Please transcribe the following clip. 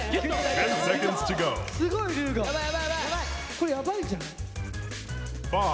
これやばいんじゃない？